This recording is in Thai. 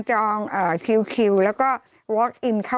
จำกัดจำนวนได้ไม่เกิน๕๐๐คนนะคะ